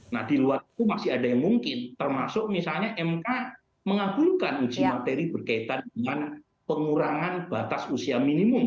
nah di luar itu masih ada yang mungkin termasuk misalnya mk mengabulkan uji materi berkaitan dengan pengurangan batas usia minimum